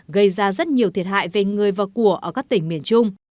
gây ra rất nhiều thiệt hại về người và của ở các tỉnh miền trung